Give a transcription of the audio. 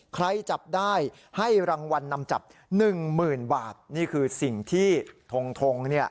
ใครจับได้ให้รางวัลนำจับ๑หมื่นบาทนี่คือสิ่งที่ทรง